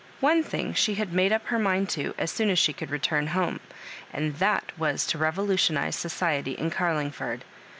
One thing she had made up her mind to as soon as she could return home, and that was to revolutionise society in Garlingford.